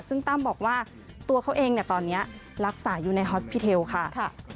ซึ่งตั้มบอกว่าตัวเขาเองตอนนี้รักษาอยู่ในฮอสพิเทลค่ะ